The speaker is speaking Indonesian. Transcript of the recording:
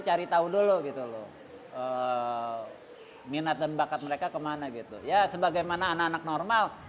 cari tahu dulu gitu loh minat dan bakat mereka kemana gitu ya sebagaimana anak anak normal